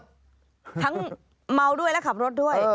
ทั้งเมาด้วยและขับรถด้วย